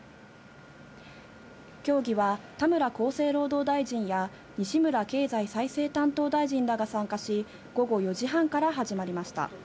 協議は田村厚生労働大臣や、西村経済再生担当大臣らが参加し、午後４時半から始まりました。